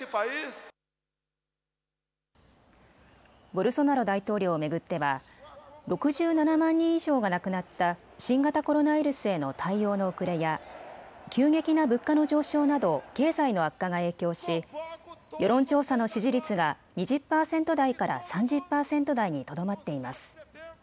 ボルソナロ大統領を巡っては６７万人以上が亡くなった新型コロナウイルスへの対応の遅れや急激な物価の上昇など経済の悪化が影響し世論調査の支持率が２０％台から３０％台にとどまっています。